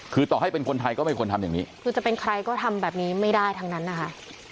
คือต่อให้เป็นคนไทยก็ไม่ควรทำอย่างนี้คือจะเป็นใครก็ทำแบบนี้ไม่ได้ทั้งนั้นนะคะ